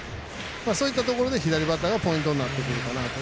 そういったところで左バッターがポイントになってくるかなと。